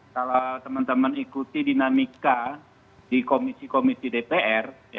kalau teman teman ikuti dinamika di komisi komisi dpr